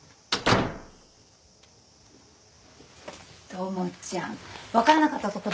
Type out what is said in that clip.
智ちゃん分からなかったとこ